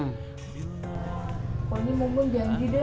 pokoknya mumun janji dah